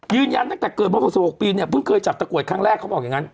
ยืนยันตั้งแต่เกิดมา๖๖ปีเนี่ยเพิ่งเคยจับตะกรวดครั้งแรกเขาบอกอย่างนั้น